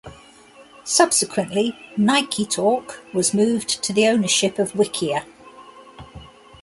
Subsequently NikeTalk was moved to the ownership of Wikia.